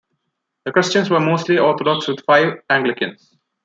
The Christians were mostly Orthodox with five Anglicans.